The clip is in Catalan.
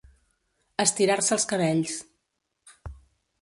Estirar-se els cabells.